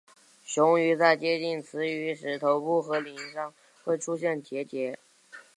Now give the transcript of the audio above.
雄鱼在接近雌鱼时头部和鳍上会出现结节。